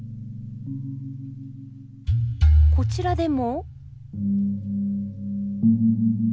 こちらでも！